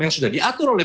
yang sudah diatur oleh